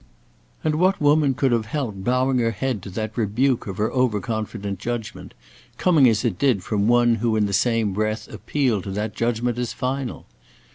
and what woman could have helped bowing her head to that rebuke of her over confident judgment, coming as it did from one who in the same breath appealed to that judgment as final?